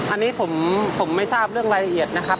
อันนี้ผมไม่ทราบเรื่องรายละเอียดนะครับ